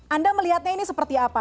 anda melihatnya ini seperti apa